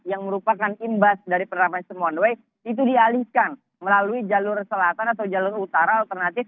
yang merupakan imbas dari penerapan sistem one way itu dialihkan melalui jalur selatan atau jalur utara alternatif